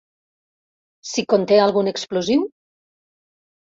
Si conté algun explosiu?